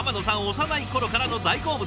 幼い頃からの大好物。